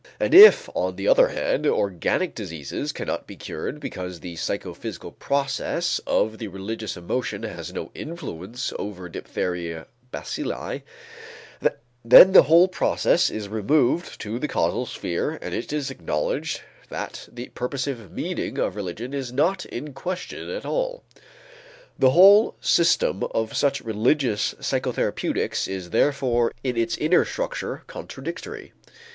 And if, on the other hand, organic diseases cannot be cured because the psychophysical process of the religious emotion has no influence over diphtheria bacilli, then the whole process is removed to the causal sphere and it is acknowledged that the purposive meaning of religion is not in question at all. The whole system of such religious psychotherapeutics is therefore in its inner structure contradictory.